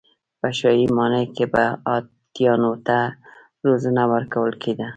په شاهي ماڼۍ کې به هاتیانو ته روزنه ورکول کېده.